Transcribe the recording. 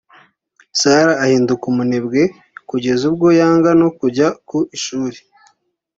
Sarah ahinduka umunebwe kugeza ubwo yanga no kujya ku Ishuri